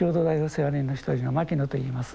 世話人の一人の牧野と言います。